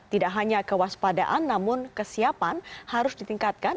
tidak hanya kewaspadaan namun kesiapan harus ditingkatkan